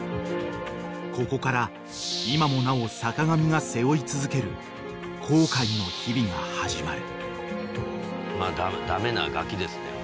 ［ここから今もなお坂上が背負い続ける後悔の日々が始まる］